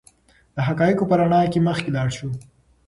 د حقایقو په رڼا کې مخکې لاړ شو.